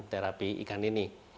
terapi ikan ini